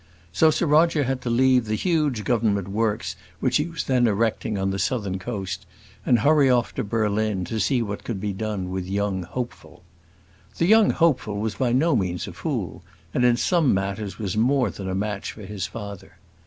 So Sir Roger had to leave the huge Government works which he was then erecting on the southern coast, and hurry off to Berlin to see what could be done with young Hopeful. The young Hopeful was by no means a fool; and in some matters was more than a match for his father.